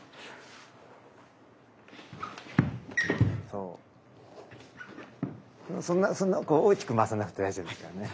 そんなそんな大きく回さなくて大丈夫ですからね。